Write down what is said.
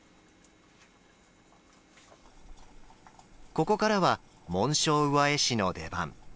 ここからは紋章上絵師の出番。